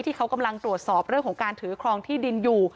ที่เขากำลังตรวจสอบเรื่องของการถือครองที่ดินอยู่